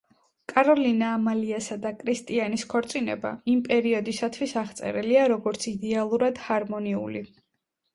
კაროლინა ამალიასა და კრისტიანის ქორწინება, იმ პერიოდისათვის აღწერილია, როგორც „იდეალურად ჰარმონიული“.